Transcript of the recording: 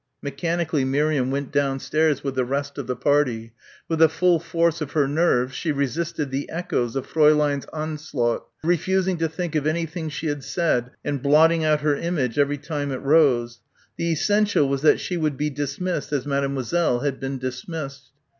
Mechanically Miriam went downstairs with the rest of the party. With the full force of her nerves she resisted the echoes of Fräulein's onslaught, refusing to think of anything she had said and blotting out her image every time it rose. The essential was that she would be dismissed as Mademoiselle had been dismissed.